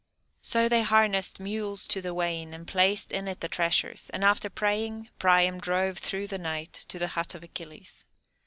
So they harnessed mules to the wain, and placed in it the treasures, and, after praying, Priam drove through the night to the hut of Achilles.